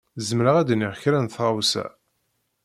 Zemreɣ ad d-iniɣ kra n tɣawsa.